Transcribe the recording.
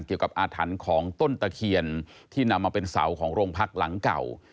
อาถรรพ์ของต้นตะเคียนที่นำมาเป็นเสาของโรงพักหลังเก่า